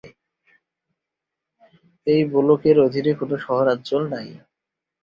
এই ব্লকের অধীনে কোন শহরাঞ্চল নেই।